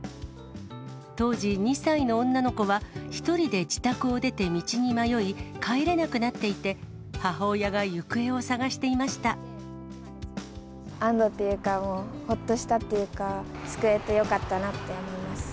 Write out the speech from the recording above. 当時２歳の女の子は、１人で自宅を出て道に迷い、帰れなくなっていて、母親が行方安どというか、ほっとしたっていうか、救えてよかったなと思います。